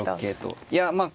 いやまあ